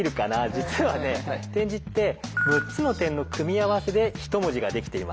実はね点字って６つの点の組み合わせで一文字ができています。